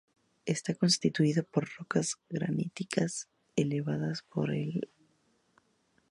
Está constituido por rocas graníticas elevadas por la orogenia alpina durante la era terciaria.